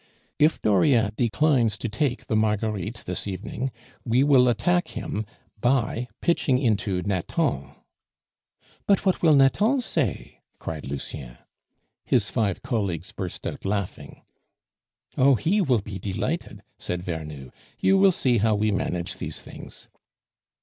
"If Dauriat declines to take the Marguerites this evening, we will attack him by pitching into Nathan." "But what will Nathan say?" cried Lucien. His five colleagues burst out laughing. "Oh! he will be delighted," said Vernou. "You will see how we manage these things."